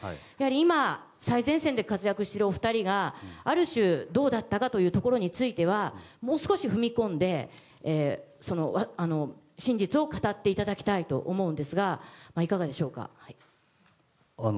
今、最前線で活躍しているお二人がある種、どうだったかについてはもう少し踏み込んで真実を語っていただきたいと思うんですがいかがでしょうか。